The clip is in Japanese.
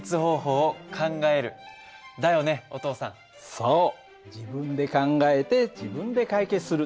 そう自分で考えて自分で解決する。